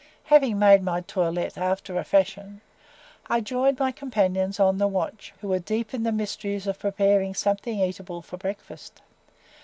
Having made my toilette after a fashion I joined my companions on the watch, who were deep in the mysteries of preparing something eatable for breakfast.